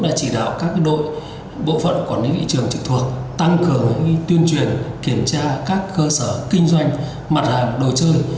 đội bộ phận quản lý trường trực thuộc tăng cường tuyên truyền kiểm tra các cơ sở kinh doanh mặt hàng đồ chơi